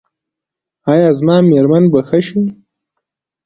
ایا زما میرمن به ښه شي؟